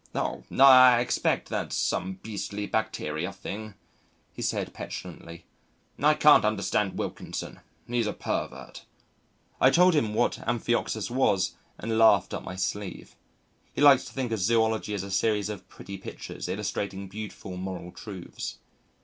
"Oh! I expect that's some beastly bacteria thing," he said petulantly. "I can't understand Wilkinson. He's a pervert." I told him what Amphioxus was and laughed up my sleeve. He likes to think of Zoology as a series of pretty pictures illustrating beautiful moral truths.